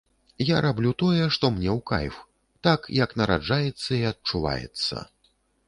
Я раблю тое, што мне ў кайф, так, як нараджаецца і адчуваецца.